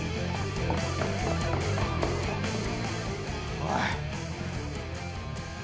おい。